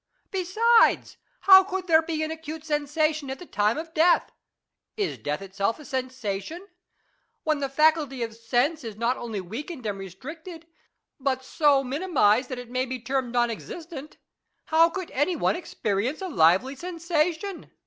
Besides, how could there be an acute sensation at the time of death ? Is death itself a sensation ? When the faculty of sense is not only weakened and restricted, but so minimised that it H 114 DIALOGUE BETWEEN may be termed non existent, how could any one experi ence a lively sensation